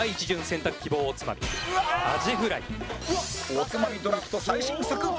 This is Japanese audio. おつまみドラフト最新作